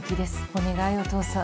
お願いお父さん。